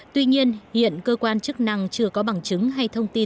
tuy nhiên hiện cơ quan chức năng chưa có bằng chứng hay thông tin